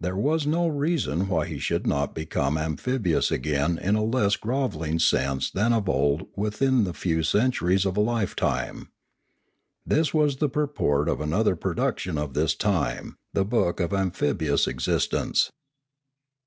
There was no reason why he should not be come amphibious again in a less grovelling sense than of old within the few centuries of a lifetime. This was the purport of another production of this time, the book of Amphibious Existence.